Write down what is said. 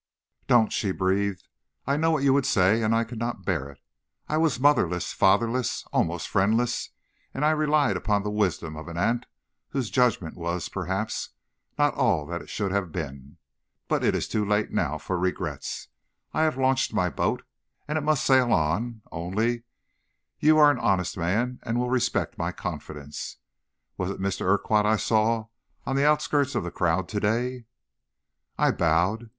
"'Don't!' she breathed. 'I know what you would say and I cannot bear it. I was motherless, fatherless, almost friendless, and I relied upon the wisdom of an aunt, whose judgment was, perhaps, not all that it should have been. But it is too late now for regrets. I have launched my boat, and it must sail on; only you are an honest man and will respect my confidence was it Mr. Urquhart I saw on the outskirts of the crowd to day?' "I bowed.